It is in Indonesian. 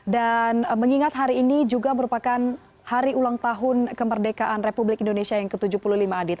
dan mengingat hari ini juga merupakan hari ulang tahun kemerdekaan republik indonesia yang ke tujuh puluh lima adit